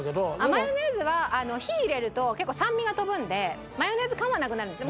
マヨネーズは火入れると結構酸味が飛ぶのでマヨネーズ感はなくなるんですよ。